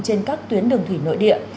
trên các tuyến đường thủy nội địa